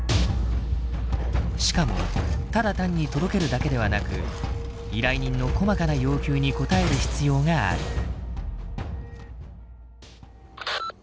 しかもただ単に届けるだけではなく依頼人の細かな要求に応える必要がある。